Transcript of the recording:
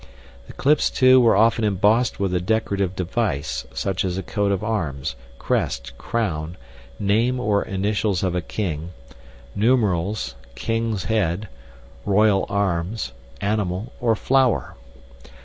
The clips, too, were often embossed with a decorative device such as a coat of arms, crest, crown, name or initials of a king, numerals, king's head, royal arms, animal, or flower.